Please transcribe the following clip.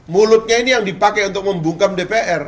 mulutnya ini yang dipakai untuk membungkam dpr